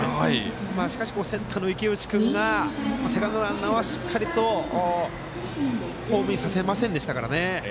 しかし、センターの池内君がセカンドランナーをしっかりとホームインさせませんでしたから。